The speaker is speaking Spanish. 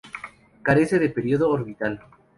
Carece de período orbital.